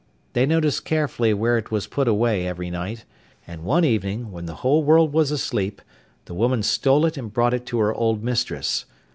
They noticed carefully where it was put away every night, and one evening, when the whole world was asleep, the woman stole it and brought it to her old mistress.